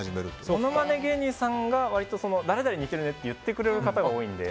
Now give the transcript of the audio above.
ものまね芸人さんが割と誰々に似てるねって言ってくださることが多いので。